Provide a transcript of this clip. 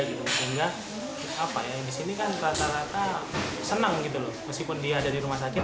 sehingga apa ya di sini kan rata rata senang gitu loh meskipun dia ada di rumah sakit